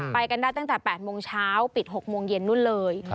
ไปกันได้ตั้งแต่๘โมงเช้าปิด๖โมงเย็นนู่นเลย